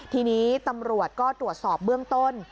ทีนี้ตำรวจก็ตรวจสอบเบื้องต้น